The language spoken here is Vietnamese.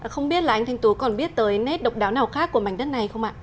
không biết là anh thanh tú còn biết tới nét độc đáo nào khác của mảnh đất này không ạ